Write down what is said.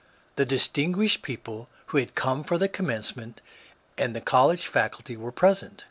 The distinguished people who had come for the Commencement and the College Faculty were present.